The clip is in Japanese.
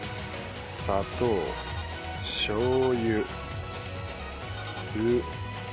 砂糖しょう油酢水。